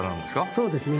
そうですね。